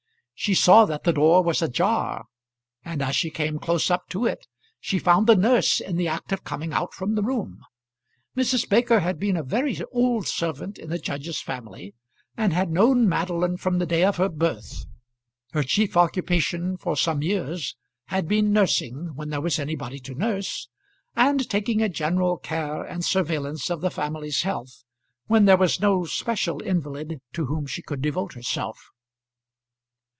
She saw that the door was ajar, and as she came close up to it, she found the nurse in the act of coming out from the room. Mrs. Baker had been a very old servant in the judge's family, and had known Madeline from the day of her birth. Her chief occupation for some years had been nursing when there was anybody to nurse, and taking a general care and surveillance of the family's health when there was no special invalid to whom she could devote herself.